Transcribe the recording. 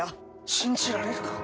信じられるか？